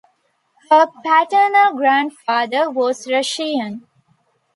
Her paternal grandfather was Russian.